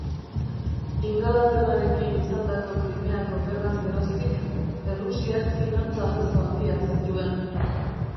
Ingalaterrarekin izandako Krimeako Gerraz geroztik, Errusiak finantza arazo handiak zituen.